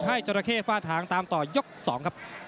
จราเข้ฝ้าทางตามต่อยก๒ครับ